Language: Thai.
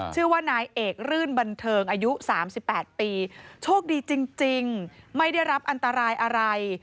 ชื่อว่านายเอกรื่นบันเทิงอายุ๓๘ปีโชคดีจริงไม่ได้รับอันตรายอะไร